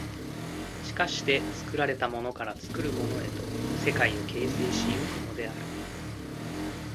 しかして作られたものから作るものへと世界を形成し行くのである。